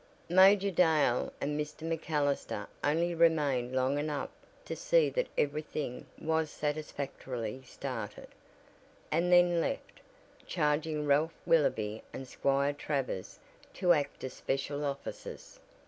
Major Dale and Mr. MacAllister only remained long enough to see that everything was satisfactorily started, and then left, charging Ralph Willoby and Squire Travers to act as special officers.